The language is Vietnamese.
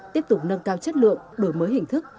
tiếp tục nâng cao chất lượng đổi mới hình thức